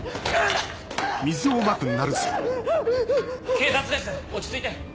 警察です落ち着いて。